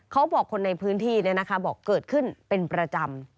เขาบอกคนในพื้นที่เนี่ยนะคะเกิดขึ้นเป็นประจำ